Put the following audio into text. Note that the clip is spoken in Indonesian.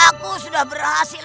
aku sudah berhasil